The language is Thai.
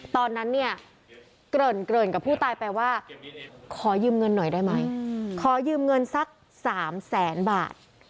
ตอนนั้นเนี่ยเกริ่นกับผู้ตายไปว่าขอยืมเงินหน่อยได้ไหมขอยืมเงินสัก๓แสนบาท